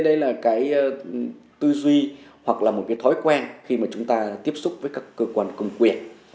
đây là cái tư duy hoặc là một cái thói quen khi mà chúng ta tiếp xúc với các cơ quan công quyền